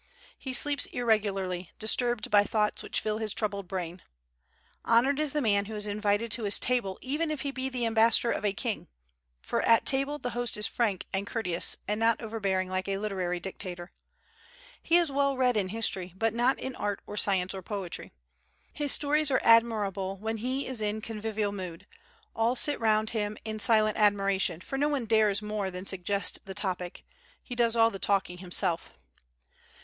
He sleeps irregularly, disturbed by thoughts which fill his troubled brain. Honored is the man who is invited to his table, even if he be the ambassador of a king; for at table the host is frank and courteous, and not overbearing like a literary dictator. He is well read in history, but not in art or science or poetry. His stories are admirable when he is in convivial mood; all sit around him in silent admiration, for no one dares more than suggest the topic, he does all the talking himself.